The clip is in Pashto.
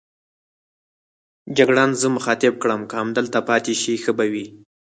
جګړن زه مخاطب کړم: که همدلته پاتې شئ ښه به وي.